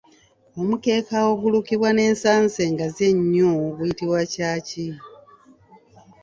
Omukeeka ogulukibwa n’ensansa engazi ennyo guyitibwa Caaci.